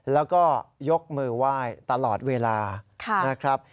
แล้วก็ยกมือไหว้ตลอดเวลานะครับ